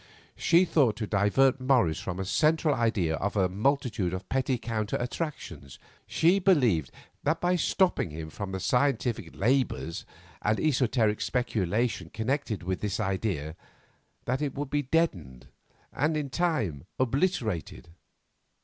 She thought to divert Morris from a central idea by a multitude of petty counter attractions; she believed that by stopping him from the scientific labours and esoteric speculation connected with this idea, that it would be deadened and in time obliterated.